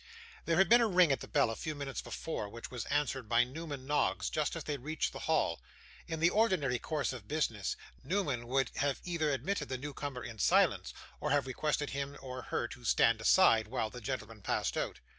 There had been a ring at the bell a few minutes before, which was answered by Newman Noggs just as they reached the hall. In the ordinary course of business Newman would have either admitted the new comer in silence, or have requested him or her to stand aside while the gentlemen passed out.